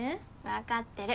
わかってる。